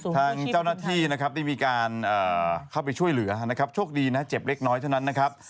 ทางเจ้าหน้าที่นะครับได้มีการเข้าไปช่วยเหลือนะครับโชคดีนะเจ็บเล็กน้อยเท่านั้นนะครับ